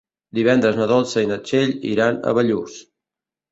Divendres na Dolça i na Txell iran a Bellús.